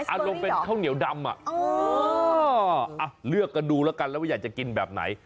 อารมณ์เป็นข้าวเหนียวดำอ่ะเลือกกันดูแล้วกันแล้วว่าอยากจะกินแบบไหน